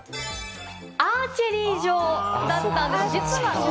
アーチェリー場だったんです。